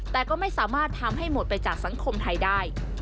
แต่ก็ไม่สามารถทำให้หมดไปจากสังคมไทยได้